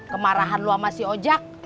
kemarahan lu sama si oja